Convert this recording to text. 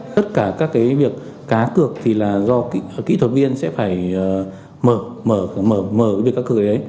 tất cả các cái việc cá cược thì là do kỹ thuật viên sẽ phải mở mở mở mở cái việc cá cược đấy